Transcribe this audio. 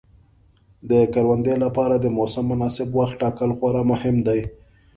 د کروندې لپاره د موسم مناسب وخت ټاکل خورا مهم دي.